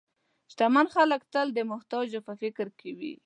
شتمن خلک تل د محتاجو په فکر کې وي.